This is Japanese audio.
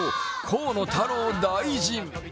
河野太郎大臣。